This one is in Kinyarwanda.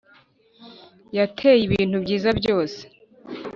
yateye ibintu byiza byose